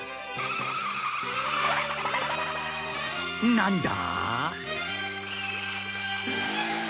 なんだ？